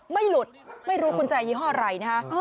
ไม่หลุดไม่รู้กุญแจยี่ห้ออะไรนะฮะ